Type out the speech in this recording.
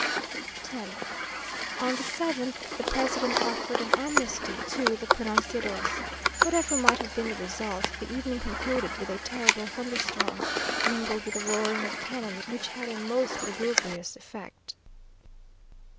10th. On the 7th, the president offered an amnesty to the pronunciados. Whatever might have been the result, the evening concluded with a terrible thunderstorm, mingled with the roaring of cannon, which had a most lugubrious effect.